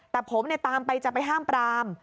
แต่ผมตามไปจะไปห้ามปราม